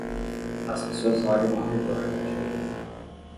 As pessoas olham ao redor da geleira